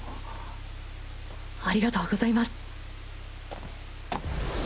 ありがとうございます。